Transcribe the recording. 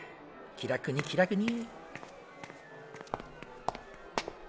気楽に気楽に。